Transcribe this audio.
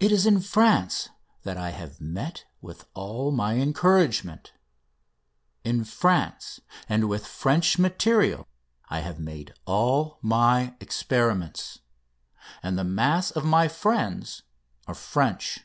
It is in France that I have met with all my encouragement; in France and with French material I have made all my experiments; and the mass of my friends are French.